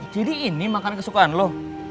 jadi ini makan kesukaan lo